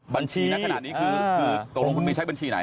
บัญชีนะขนาดนี้คือโตรงคุณบินใช้บัญชีใน